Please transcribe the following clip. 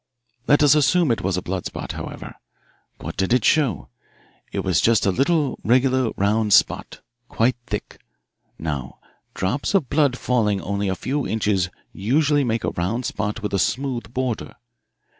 "Let us assume it was a blood spot, however. What did it show? It was just a little regular round spot, quite thick. Now, drops of blood falling only a few inches usually make a round spot with a smooth border.